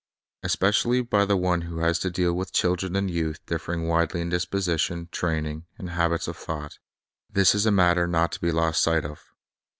Especially by the one who has to deal with children and youth differing widely in disposition, training, and habits of thought, this is a matter not to be lost sight of.